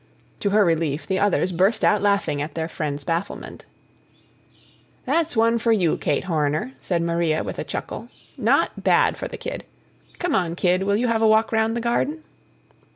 To her relief, the others burst out laughing at their friend's bafflement. "That's one for you, Kate Horner," said Maria with a chuckle. "Not bad for the kid. Come on, Kid, will you have a walk round the garden?"